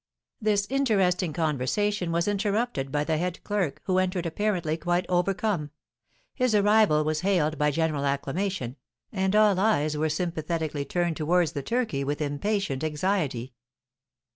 This interesting conversation was interrupted by the head clerk, who entered apparently quite overcome. His arrival was hailed by general acclamation, and all eyes were sympathetically turned towards the turkey with impatient anxiety.